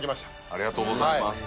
ありがとうございます。